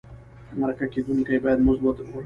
مرکه کېدونکی باید مزد ورکړل شي.